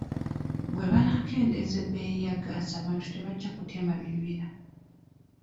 Bwe banaakendeeza ebbeeyi ya gaasi abantu tebajja kutema bibira.